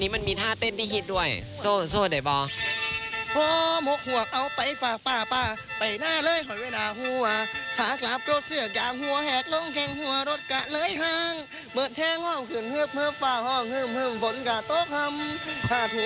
มันมีท่าเต้นที่ฮิตด้วยโชว์โชว์ได้ป่าว